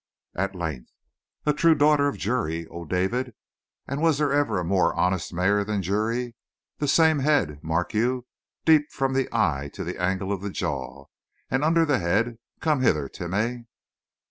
At length: "A true daughter of Juri, O David. And was there ever a more honest mare than Juri? The same head, mark you, deep from the eye to the angle of the jaw. And under the head come hither, Timeh!"